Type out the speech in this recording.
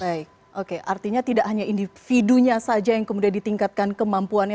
baik oke artinya tidak hanya individunya saja yang kemudian ditingkatkan kemampuannya